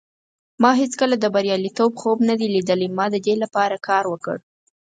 ما هیڅکله د بریالیتوب خوب نه دی لیدلی. ما د دې لپاره کار وکړ.